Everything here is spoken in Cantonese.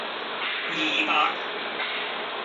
二百